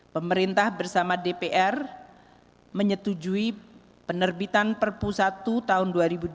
pemerintah bersama dpr menyetujui penerbitan perpu satu tahun dua ribu dua puluh